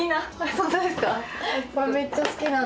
ホントですか？